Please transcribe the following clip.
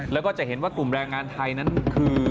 แล้วก็จะเห็นว่ากลุ่มแรงงานไทยนั้นคือ